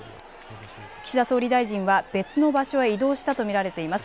岸田総理大臣は別の場所へ移動したと見られています。